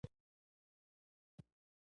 د انګورو بیه په موسم کې ولې کمه وي؟